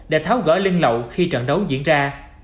để tháo gỡ linh lậu khi trận đấu diễn ra